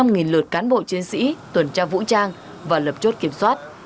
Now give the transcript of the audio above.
với hơn năm lượt cán bộ chiến sĩ tuần tra vũ trang và lập chốt kiểm soát